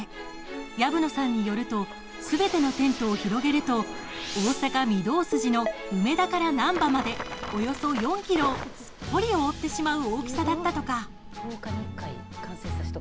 藪野さんによるとすべてのテントを広げると大阪・御堂筋の梅田から難波までおよそ４キロをすっぽり覆ってしまう大きさだったとか。